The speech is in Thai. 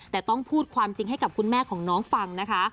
แต่ต้องพูดความจริงให้กับคุณแม่ของน้องฟังนะคะ